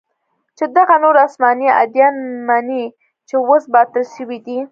چې دغه نور اسماني اديان مني چې اوس باطل سوي دي.